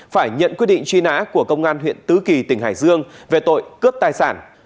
phải nhận quyết định truy nã của công an huyện tứ kỳ tỉnh hải dương về tội cướp tài sản